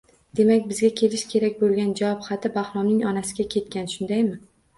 Demak, bizga kelishi kerak bo`lgan javob xati Bahromning onasiga ketgan shundaymi